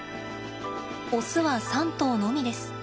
オスは３頭のみです。